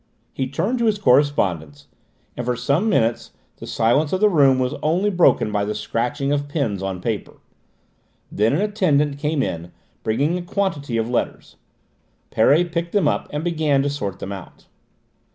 He turned to his correspondence, and for some minutes the silence in the room was only broken by the scratching of pens on paper. Then an attendant came in, bringing a quantity of letters. Perret picked them up and began to sort them out.